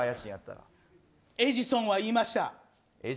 エジソンは言いました。